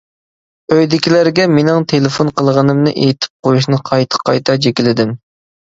ئۆيدىكىلەرگە مېنىڭ تېلېفون قىلغىنىمنى ئېيتىپ قويۇشنى قايتا-قايتا جېكىلىدىم.